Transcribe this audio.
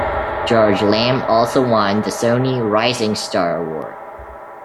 George Lamb also won the Sony 'Rising Star' award.